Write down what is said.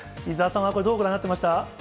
伊沢さんは、これ、どうご覧になっていました？